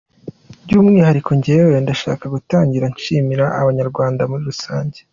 By’umwihariko njyewe ndashaka gutangira nshimira Abanyarwanda muri rusange.